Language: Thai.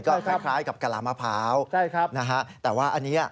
ใช่ครับก็คล้ายกับกะลามะพร้าวนะฮะแต่ว่าอันนี้